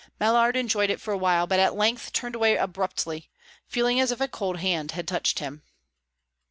Mallard enjoyed it for awhile, but at length turned away abruptly, feeling as if a cold hand had touched him.